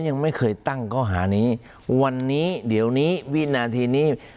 ยังไม่เคยตั้งข้อหานี้วันนี้เดี๋ยวนี้วินาทีนี้